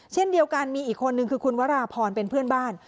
เช่นเดียวกันมีอีกคนนึงคือคุณวราพรเป็นเพื่อนบ้าน